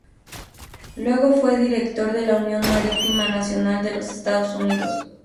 Luego fue director de la Unión Marítima Nacional de los Estados Unidos.